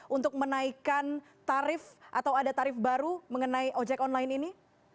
untuk menaikkan tarif atau ada tarif baru mengenai ojek online ini